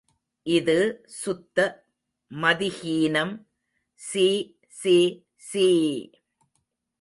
இது சுத்த மதிஹீனம், சீ சீ சீ!